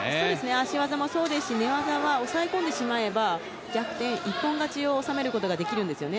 足技もそうですし寝技は抑え込んでしまえば逆転、一本勝ちを収めることができるんですよね。